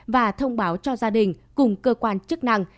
và thông báo cho gia đình cùng cơ quan chức năng